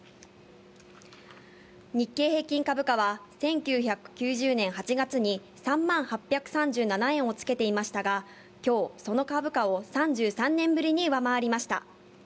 日経平均株価は１９９０年８月に、３万８３７円をつけていましたが、きょう、その株価を３３年ぶりに上回りました。